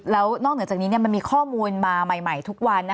แล้วนอกเหนือจากนี้มันมีข้อมูลมาใหม่ทุกวัน